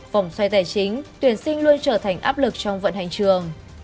vòng xoay tài chính tuyển sinh luôn trở thành áp lực trong vận hành trường